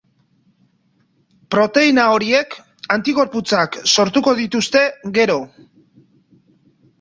Proteina horiek antigorputzak sortuko dituzte gero.